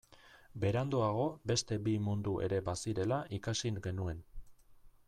Beranduago beste bi mundu ere bazirela ikasi genuen.